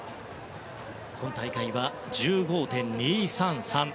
今大会は１５．２３３。